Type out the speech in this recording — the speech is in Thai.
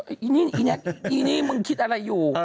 ไอ้แน็คมึงคิดอะไรอยู่